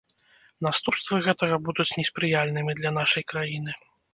Наступствы гэтага будуць неспрыяльнымі для нашай краіны.